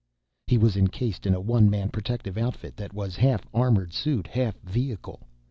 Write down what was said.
He was encased in a one man protective outfit that was half armored suit, half vehicle.